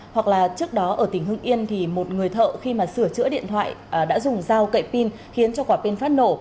hoặc là trước đó ở tỉnh hưng yên thì một người thợ khi mà sửa chữa điện thoại đã dùng dao kậy pin khiến cho quả pin phát nổ